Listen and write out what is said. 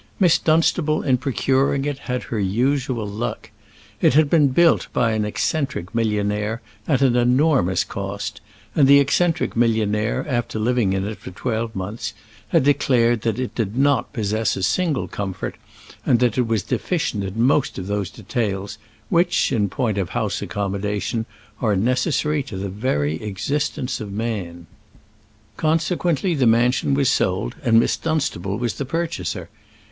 Miss Dunstable in procuring it had had her usual luck. It had been built by an eccentric millionnaire at an enormous cost; and the eccentric millionnaire, after living in it for twelve months, had declared that it did not possess a single comfort, and that it was deficient in most of those details which, in point of house accommodation, are necessary to the very existence of man. Consequently the mansion was sold, and Miss Dunstable was the purchaser.